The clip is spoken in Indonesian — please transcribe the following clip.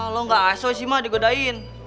lo gak aso sih mah digodain